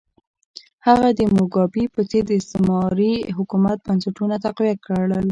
هغه د موګابي په څېر د استعماري حکومت بنسټونه تقویه کړل.